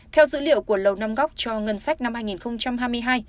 theo dữ liệu của lầu năm góc cho ngân sách năm hai nghìn hai mươi hai